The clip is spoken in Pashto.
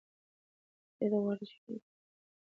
سعید غواړي چې کلي ته په چکر لاړ شي.